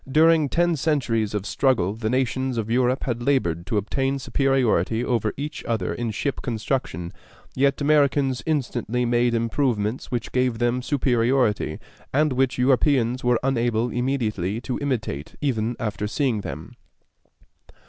During ten centuries of struggle the nations of Europe had labored to obtain superiority over each other in ship construction; yet Americans instantly made improvements which gave them superiority, and which Europeans were unable immediately to imitate even after seeing them.